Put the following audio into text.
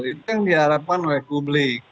itu yang diharapkan oleh publik